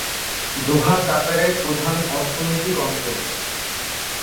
দোহা কাতারের প্রধান অর্থনৈতিক অঞ্চল।